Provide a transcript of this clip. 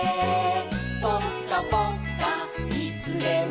「ぽかぽっかいつでも」